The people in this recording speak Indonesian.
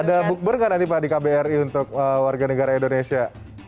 ada bukber nggak nanti pak di kbri untuk warga negara indonesia